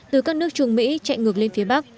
từ các nước trung mỹ chạy ngược lên phía bắc